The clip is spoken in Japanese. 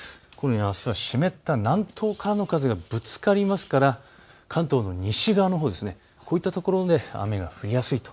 あすは湿った南東からの風がぶつかりますから関東の西側のほう、こういったところで雨が降りやすいと。